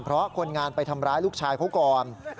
เพราะคนงานไปทำร้ายลูกชายเขาก่อน